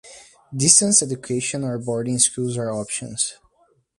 Distance education or boarding schools are options.